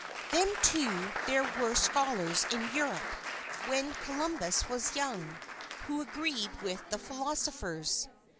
Then, too, there were scholars in Europe, when Columbus was young, who agreed with the philosophers.